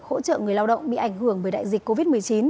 hỗ trợ người lao động bị ảnh hưởng bởi đại dịch covid một mươi chín